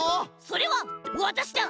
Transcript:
それはわたしだ！